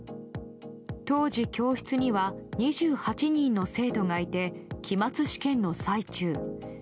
当時、教室には２８人の生徒がいて期末試験の最中。